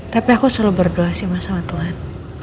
tapi aku selalu berdoa sih sama tuhan